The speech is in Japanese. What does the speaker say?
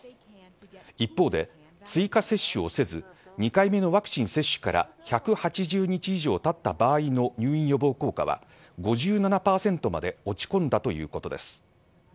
一方で、追加接種をせず２回目のワクチン接種から１８０日以上たった場合の入院予防効果は５７％まで落ち込んだということです。